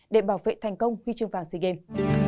để bảo vệ thành công huy chương vàng sea games